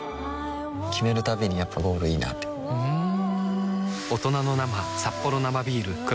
決めるたびにやっぱゴールいいなってふん・